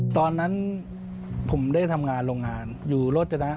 ตอนนั้นผมได้ทำงานโรงงานอยู่โรจนะ